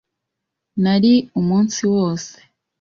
Nari umunsi wose.